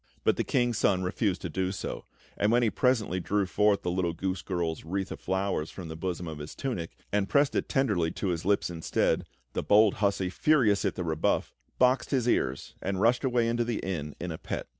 But the King's Son refused to do so; and when he presently drew forth the little goose girl's wreath of flowers from the bosom of his tunic, and pressed it tenderly to his lips instead, the bold hussy, furious at the rebuff, boxed his ears and rushed away into the inn in a pet.